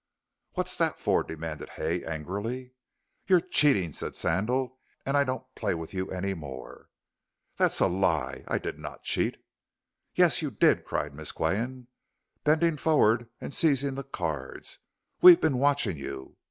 "What's that for?" demanded Hay, angrily. "You're cheating," said Sandal, "and I don't play with you any more." "That's a lie. I did not cheat." "Yes, you did," cried Miss Qian, bending forward and seizing the cards; "we've been watching you.